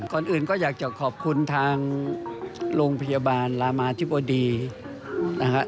ก่อนอื่นก็อยากจะขอบคุณทางโรงพยาบาลรามาธิบดีนะฮะ